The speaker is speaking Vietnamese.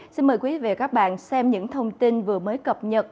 xin mời quý vị và các bạn xem những thông tin vừa mới cập nhật